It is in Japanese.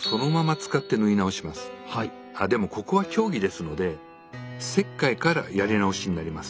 でもここは競技ですので切開からやり直しになります。